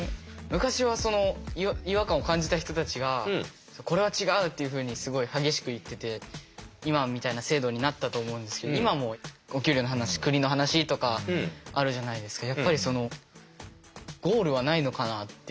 昔は違和感を感じた人たちがこれは違うっていうふうにすごい激しく言ってて今みたいな制度になったと思うんですけど今もお給料の話国の話とかあるじゃないですか。